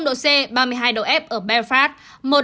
độ c ba mươi hai độ f ở belfast